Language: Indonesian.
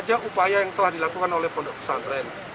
apa yang telah dilakukan oleh pondok pesantren